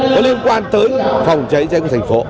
có liên quan tới phòng chữa chữa chữa chữa của thành phố